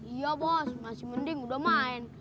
iya bos masih mending udah main